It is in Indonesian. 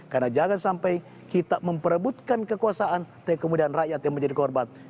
karena jangan sampai kita memperebutkan kekuasaan dan kemudian rakyat yang menjadi korbat